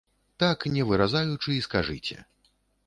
Так не выразаючы і скажыце.